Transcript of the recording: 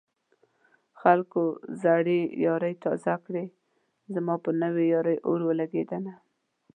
خلکو زړې يارۍ تازه کړې زما په نوې يارۍ اور ولګېدنه